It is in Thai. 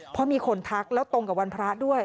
เพราะมีคนทักแล้วตรงกับวันพระด้วย